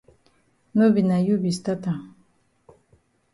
No be na you be stat am.